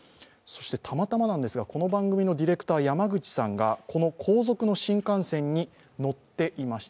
たまたまなんですが、この番組のディレクター、山口さんがこの後続の新幹線に乗っていました。